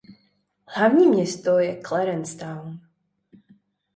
Hlavní město je Clarence Town.